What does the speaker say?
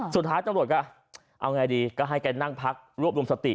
สุดท้ายตำรวจก็เอาไงดีก็ให้แกนั่งพักรวบรวมสติ